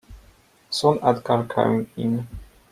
Soon Edgar came in.